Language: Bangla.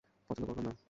পছন্দ করলাম না।